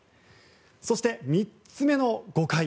そして、３つ目の誤解